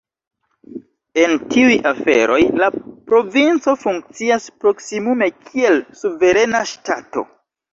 En tiuj aferoj la provinco funkcias proksimume kiel suverena ŝtato.